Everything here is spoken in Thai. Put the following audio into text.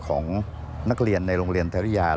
ของนักเรียนในลงเรียนไทยรัฐ